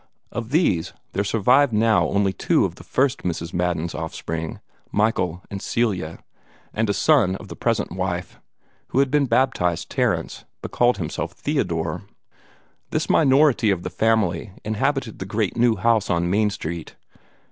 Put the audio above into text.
Of these there survived now only two of the first Mrs. Madden's offspring Michael and Celia and a son of the present wife, who had been baptized Terence, but called himself Theodore. This minority of the family inhabited the great new house on Main Street.